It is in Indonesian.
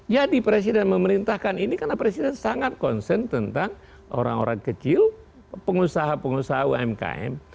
jadi presiden memerintahkan ini karena presiden sangat konsen tentang orang orang kecil pengusaha pengusaha umkm